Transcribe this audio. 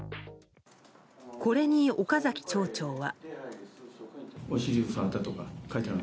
これに、岡崎町長は。